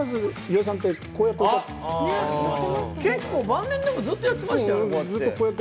結構晩年でもずっとやってましたよね。